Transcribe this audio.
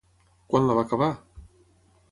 Quan la va acabar?